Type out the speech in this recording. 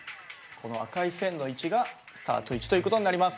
この赤い線の位置がスタート位置という事になります。